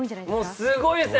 もう、すごいですね。